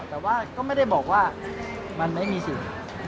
แต่ก็ไม่ได้บอกว่ามันไม่มีสิ่ง